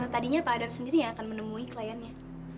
tadinya pak adam sendiri yang akan menemui kliennya